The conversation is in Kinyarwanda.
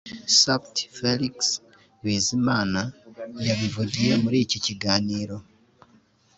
Supt Félix Bizimana yabivugiye muri iki kiganiro